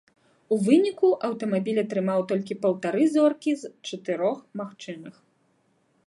У выніку аўтамабіль атрымаў толькі паўтары зоркі з чатырох магчымых.